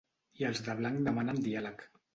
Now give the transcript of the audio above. I els de blanc demanen diàleg.